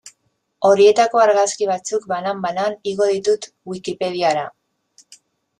Horietako argazki batzuk, banan-banan, igo ditut Wikipediara.